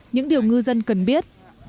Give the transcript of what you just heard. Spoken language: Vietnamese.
những điều ngư dân cần biết